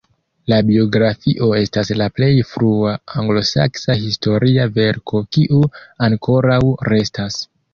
La biografio estas la plej frua anglosaksa historia verko kiu ankoraŭ restas.